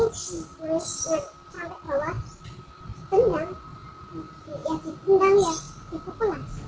ditendang ya ditendang ya dipukul lah